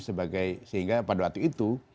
sebagai sehingga pada waktu itu